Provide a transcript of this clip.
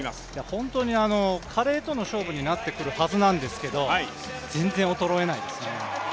本当に加齢との勝負になってくるはずなんですけど全然衰えないですね。